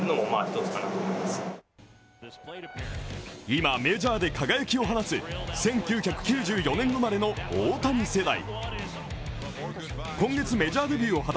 今メジャーで輝きを放つ１９９４年生まれの大谷世代。